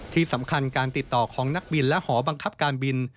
ที่สำคัญการติดต่อของนักบินและหอบังคับการบิน